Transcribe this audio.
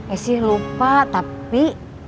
eh sih lupa tapi